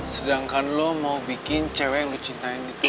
sedangkan lo mau bikin cewek yang lu cintain itu